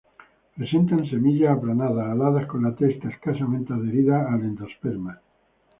Presentan semillas aplanadas, aladas con la testa escasamente adherida al endosperma.